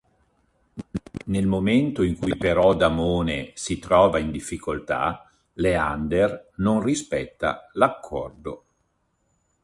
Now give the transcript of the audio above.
Nel momento in cui però Damone si trova in difficoltà Leander non rispetta l'accordo.